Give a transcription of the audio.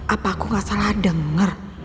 apa aku gak salah dengar